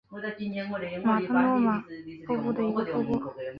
马特诺玛瀑布的一个瀑布。